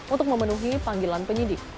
untuk memenuhi panggilan penyidik